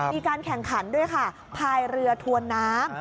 มีการแข่งขันด้วยค่ะพายเรือทวนน้ำ